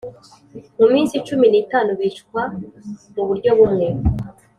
mu minsi cumi n itanu bicwa mu buryo bumwe